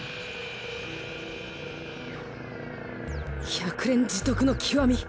百錬自得の極み！